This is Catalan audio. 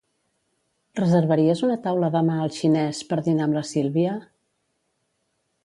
Reservaries una taula demà al xinés per dinar amb la Sílvia?